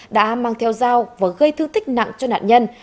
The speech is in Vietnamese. đã mang theo dao và gây thư thích nặng cho nạn nhân